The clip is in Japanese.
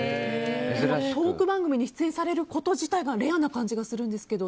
トーク番組に出演されること自体がレアな感じがするんですけど。